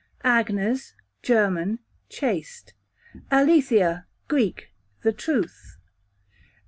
Agnes, German, chaste. Alethea, Greek, the truth.